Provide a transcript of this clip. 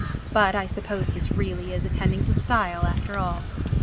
But I suppose this really is attending to style after all.